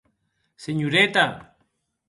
Senhoreta!